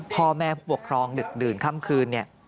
พ่อแม่ผู้ปกครองดึกดื่นค่ำคืนเนี่ย